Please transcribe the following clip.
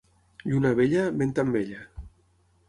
Lluna vella, vent amb ella.